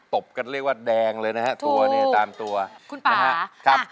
ตกก็เรียกว่าแดงเลยนะครับ